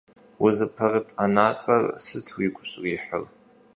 Узыпэрыт ӀэнатӀэр сыт уигу щӀрихьыр?